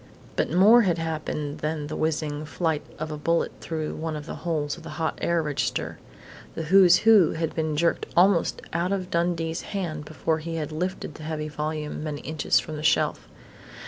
But more had happened than the whizzing flight of a bullet through one of the holes of the hot air register. The "Who's Who" had been jerked almost out of Dundee's hand before he had lifted the heavy volume many inches from the shelf.